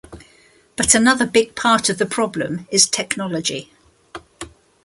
But another big part of the problem is technology.